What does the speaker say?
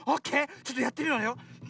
ちょっとやってみるわよ。